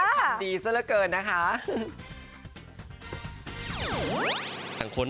ทำดีซะละเกินนะคะ